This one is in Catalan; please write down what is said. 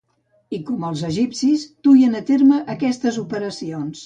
I com els egipcis duien a terme aquestes operacions.